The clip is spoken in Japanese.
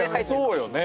そうよね。